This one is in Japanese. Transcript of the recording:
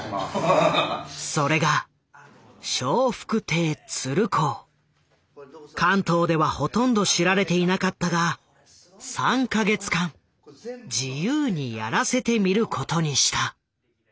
それが関東ではほとんど知られていなかったが３か月間自由にやらせてみることにした。